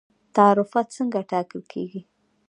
تعرفه څنګه ټاکل کیږي؟